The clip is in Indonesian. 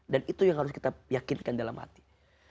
itu yang harus kita yakinkan dalam hati